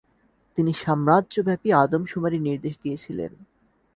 তিনি সাম্রাজ্যব্যপী আদমশুমারির নির্দেশ দিয়েছিলেন।